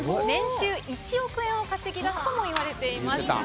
年収１億円を稼ぎ出すともいわれています。